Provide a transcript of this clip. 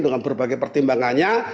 dengan berbagai pertimbangannya